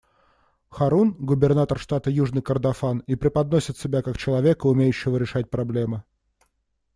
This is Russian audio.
Харун — губернатор штата Южный Кордофан и преподносит себя как человека, умеющего решать проблемы.